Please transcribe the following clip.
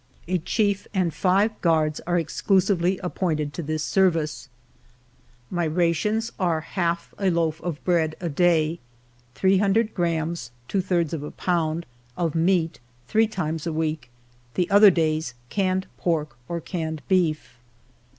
A chief and five guards are exclusively ap pointed to this service. My rations are half a io8 FIVE YEARS OF MY LIFE loaf of bread a day, 300 grammes {.66 of a pound) of meat three times a week, the other days canned pork or canned beef.